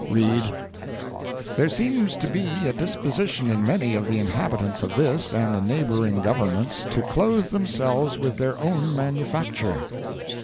Read: "There seems to be a disposition in many of the inhabitants of this and the neighboring Governments to clothe themselves with their own manufacture."